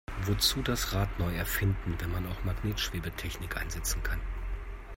Wozu das Rad neu erfinden, wenn man auch Magnetschwebetechnik einsetzen kann?